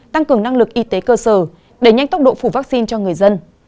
tăng cường năng lực y tế cơ sở đẩy nhanh tốc độ phủ vaccine cho người dân